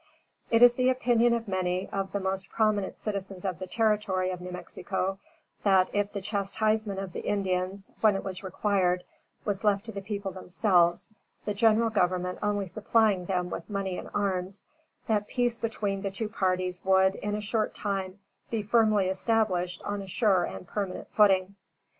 It is the opinion of many of the most prominent citizens of the Territory of New Mexico, that, if the chastisement of the Indians, when it was required, was left to the people themselves, the general government only supplying them with money and arms, that peace between the two parties would, in a short time, be firmly established on a sure and permanent footing.